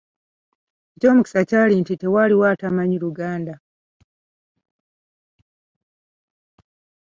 Eky’omukisa kyali nti tewaaliwo atamanyi Luganda.